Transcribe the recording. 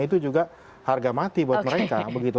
itu juga harga mati buat mereka begitu